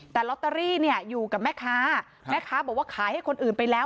แต่ลอตเตอรี่เนี่ยอยู่กับแม่ค้าแม่ค้าบอกว่าขายให้คนอื่นไปแล้ว